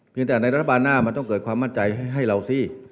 แต่ในรัฐบาลหน้ามันต้องเกิดความมั่นใจให้เราสิ